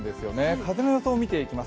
風の予想を見ていきます。